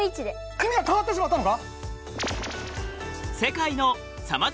君は変わってしまったのか！？